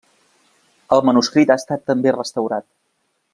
El manuscrit ha estat també restaurat.